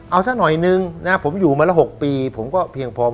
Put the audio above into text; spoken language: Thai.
เอาซะหน่อยนึงนะผมอยู่มาละ๖ปีผมก็เพียงพอ